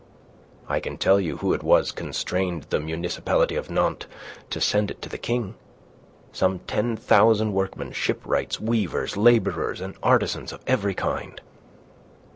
"I can tell you who it was constrained the municipality of Nantes to send it to the King. Some ten thousand workmen shipwrights, weavers, labourers, and artisans of every kind."